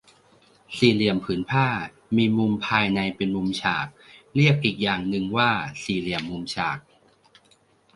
สี่เหลี่ยมผืนผ้า มีมุมภายในเป็นมุมฉาก เรียกอีกอย่างว่าสี่เหลี่ยมมุมฉาก